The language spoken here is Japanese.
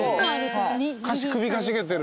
首かしげてる。